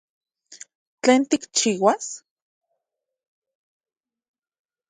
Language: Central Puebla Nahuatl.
¿Tlen tikchiuas?